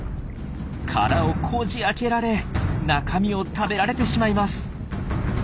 殻をこじ開けられ中身を食べられてしまいます。